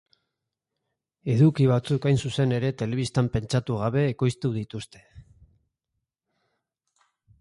Eduki batzuk hain zuzen ere telebistan pentsatu gabe ekoiztu dituzte.